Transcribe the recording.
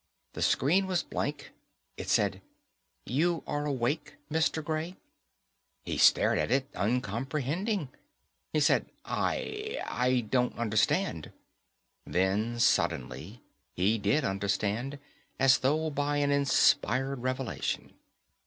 The screen was blank. It said, You are awake, Mr. Gray? He stared at it, uncomprehending. He said, "I ... I don't understand." Then, suddenly, he did understand, as though by an inspired revelation.